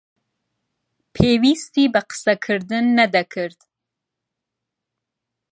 پێویستی بە قسەکردن نەدەکرد.